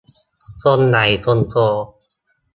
คนใหญ่คนโต